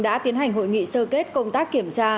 đã tiến hành hội nghị sơ kết công tác kiểm tra